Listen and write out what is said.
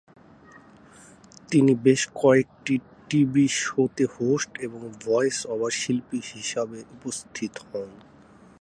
তিনি বেশ কয়েকটি টিভি শোতে হোস্ট এবং ভয়েস ওভার শিল্পী হিসাবে উপস্থিত হন।